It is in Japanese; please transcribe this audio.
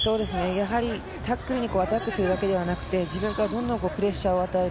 やはりタックルにアタックするだけではなくて自分からプレッシャーを与える。